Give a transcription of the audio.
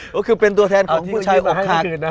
ก็คือเป็นตัวแทนของผู้ชายมาให้